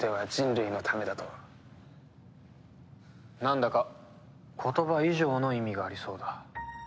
なんだか言葉以上の意味がありそうだ。